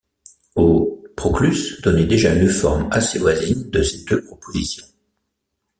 Au Proclus donnait déjà une forme assez voisine de ces deux propositions.